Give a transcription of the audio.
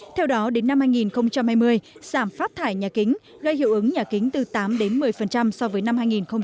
theo đó đến năm hai nghìn hai mươi giảm phát thải nhà kính gây hiệu ứng nhà kính từ tám đến một mươi so với năm hai nghìn một mươi chín